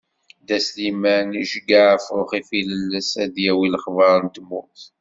Dda Sliman iceyyeɛ afrux ifirelles ad s-d-yawi lexbar n tmurt.